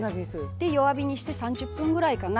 で弱火にして３０分ぐらいかな。